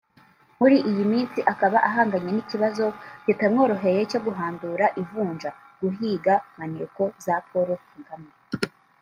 Muri iyi minsi akaba ahanganye n’ikibazo kitamworoheye cyo guhandura ivunja (guhiga maneko za Paul Kagame)